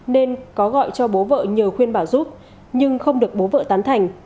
nên có gọi cho bố vợ nhờ khuyên bảo giúp nhưng không được bố vợ tán thành